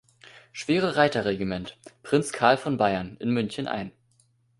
Schwere-Reiter-Regiment „Prinz Karl von Bayern“ in München ein.